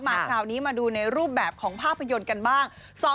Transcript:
คราวนี้มาดูในรูปแบบของภาพยนตร์กันบ้าง